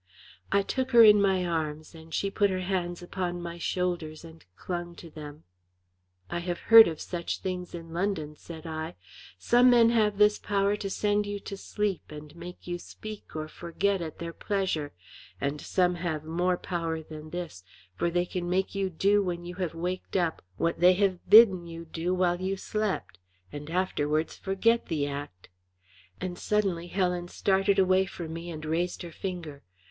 I took her in my arms, and she put her hands upon my shoulders and clung to them. "I have heard of such things in London," said I. "Some men have this power to send you to sleep and make you speak or forget at their pleasure; and some have more power than this, for they can make you do when you have waked up what they have bidden you to do while you slept, and afterwards forget the act;" and suddenly Helen started away from me, and raised her finger.